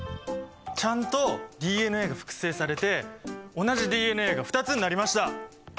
ちゃんとＤＮＡが複製されて同じＤＮＡが２つになりました！